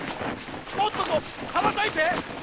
もっとこう羽ばたいて！